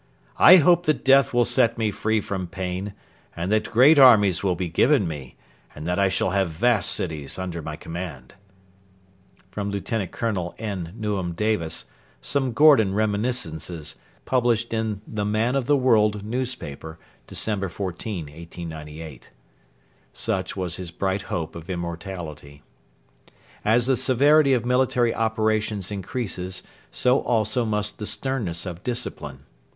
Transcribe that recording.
I hope that death will set me free from pain, and that great armies will be given me, and that I shall have vast cities under my command.' [Lieut. Colonel N. Newham Davis, 'Some Gordon Reminiscences,' published in THE MAN OF THE WORLD newspaper, December 14, 1898.] Such was his bright hope of immortality. As the severity of military operations increases, so also must the sternness of discipline.